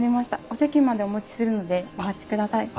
お席までお持ちするのでお待ちください。